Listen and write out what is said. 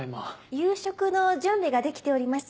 夕食の準備ができております。